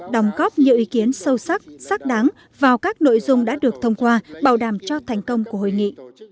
đóng góp nhiều ý kiến sâu sắc sắc đáng vào các nội dung đã được thông qua bảo đảm cho thành công của hội nghị